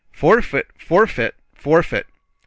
"Forfeit, forfeit, forfeit!"